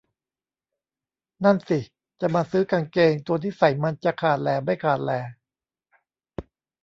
นั่นสิ จะมาซื้อกางเกง ตัวที่ใส่มันจะขาดแหล่ไม่ขาดแหล่